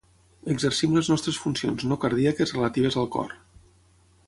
Exercim les nostres funcions no cardíaques relatives al cor.